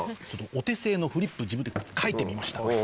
お手製のフリップ自分で描いてみました。